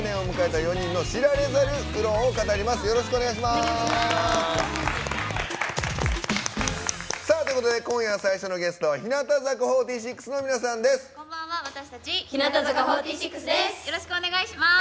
ということで今夜、最初のゲストは日向坂４６の皆さんです。